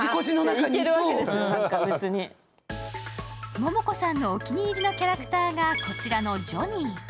モモコさんのお気に入りのキャラクターがこちらのジョニー。